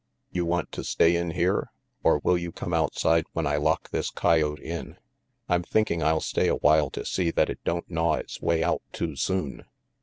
"You want to stay in here, or will you come outside when I lock this coyote in?" "I'm thinking I'll stay a while to see that it don't gnaw its way out too soon."